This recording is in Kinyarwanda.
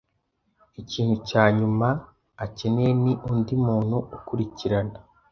Ikintu cya nyuma akeneye ni undi muntu ukurikirana.